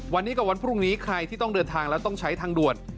วันนี้กับวันพรุ่งนี้ใครที่ต้องเดินทางแล้วต้องใช้ทางด่วน